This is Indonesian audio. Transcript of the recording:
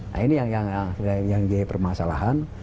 nah ini yang jadi permasalahan